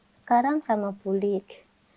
sekarang sama pulik